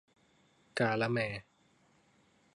กาละแมร์